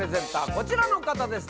こちらの方です